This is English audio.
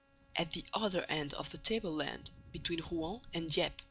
At the other end of the tableland, between Rouen and Dieppe.